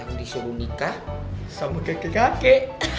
yang disuruh nikah sama keke keke